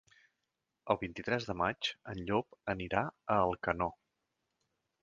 El vint-i-tres de maig en Llop anirà a Alcanó.